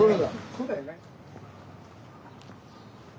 そうだよね。